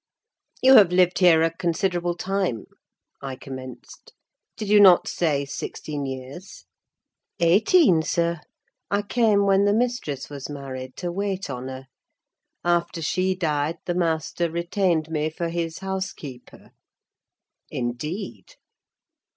"You have lived here a considerable time," I commenced; "did you not say sixteen years?" "Eighteen, sir: I came when the mistress was married, to wait on her; after she died, the master retained me for his housekeeper." "Indeed."